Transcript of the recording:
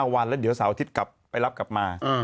วันแล้วเดี๋ยวเสาร์อาทิตย์กลับไปรับกลับมา